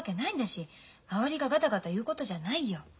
周りがガタガタ言うことじゃないよ。